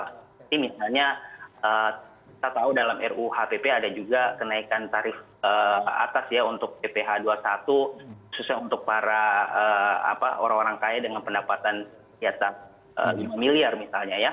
jadi misalnya kita tahu dalam ruhpp ada juga kenaikan tarif atas ya untuk pph dua puluh satu khususnya untuk para orang orang kaya dengan pendapatan lima miliar misalnya